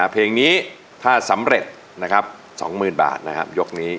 เพลงนี้ถ้าสำเร็จนะครับ๒๐๐๐บาทนะครับยกนี้